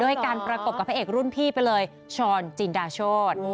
ด้วยการประกบกับพระเอกรุ่นพี่ไปเลยช้อนจินดาโชธ